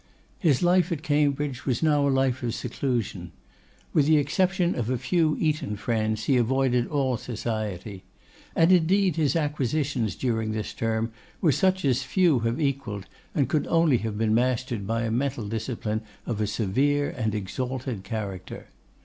His life at Cambridge was now a life of seclusion. With the exception of a few Eton friends, he avoided all society. And, indeed, his acquisitions during this term were such as few have equalled, and could only have been mastered by a mental discipline of a severe and exalted character.